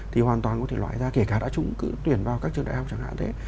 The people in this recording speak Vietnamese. thì hoàn toàn có thể loại ra kể cả đã tuyển vào các trường đại học chẳng hạn thế